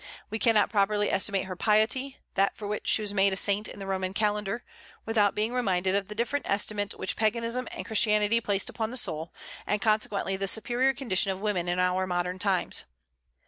We cannot properly estimate her piety that for which she was made a saint in the Roman calendar without being reminded of the different estimate which Paganism and Christianity placed upon the soul, and consequently the superior condition of women in our modern times.